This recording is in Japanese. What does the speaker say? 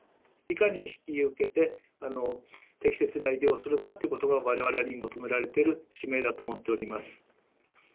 いかに引き受けて、適切な医療をするかということが、われわれに求められている使命だと思っております。